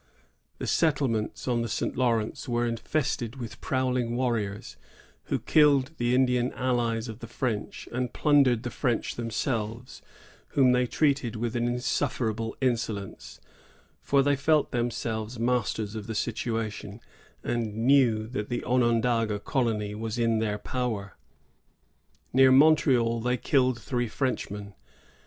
The settlements on the St. Lawrence wer^ infested with prowling warriors, who killed the Indian allies of the French, and plundered the French themselves, whom they treated with an insuf * ferable insolence; for they felt themselves masters of the situation, and knew that the Onondaga colony was in their power. Near Montreal they killed three Frenchmen.